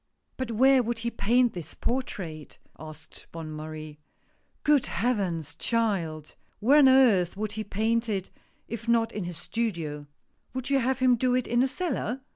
" But where would he paint this portrait ?" asked Bonne Marie. " Good Heavens, child ! where on earth would he paint it, if not in his studio! Would you have him do it in a cellar?